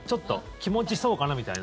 気持ちそうかな？みたいな。